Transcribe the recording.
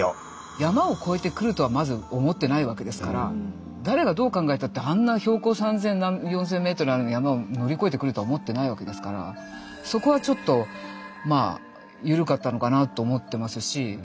山を越えてくるとはまず思ってないわけですから誰がどう考えたってあんな標高３，０００４，０００メートルある山を乗り越えてくるとは思ってないわけですからそこはちょっとまあ緩かったのかなと思ってますし。